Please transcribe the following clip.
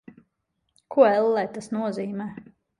Ko, ellē, tas nozīmē?